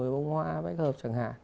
một mươi bông hoa bách hợp chẳng hạn